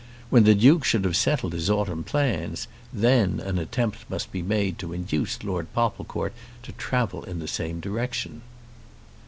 When the Duke should have settled his autumn plans, then an attempt must be made to induce Lord Popplecourt to travel in the same direction.